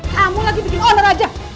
kamu lagi bikin oner aja